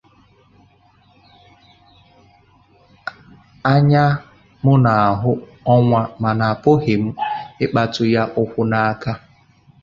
Anya mụ na-ahụ ọnwa mana apụghị mụ ịkpatụ ya ụkwa na aka.